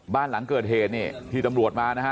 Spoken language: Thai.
บ้านหลังเกิดเหตุนี่ที่ตำรวจมานะฮะ